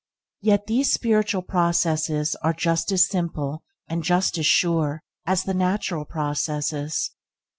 Yet these spiritual processes are just as simple and just as sure as the natural processes.